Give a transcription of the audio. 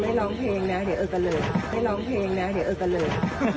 ไม่ร้องเพลงนะเดี๋ยวเอิ๊ะกะเลย